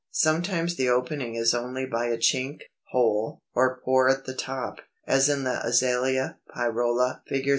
Sometimes the opening is only by a chink, hole, or pore at the top, as in the Azalea, Pyrola (Fig.